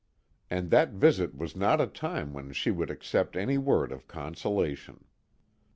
And that visit was not a time when she would accept any word of consolation.